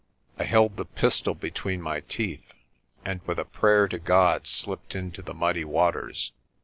I held the pistol between my teeth, and with a prayer to God slipped into the muddy waters.